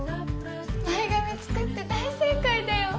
前髪作って大正解だよ！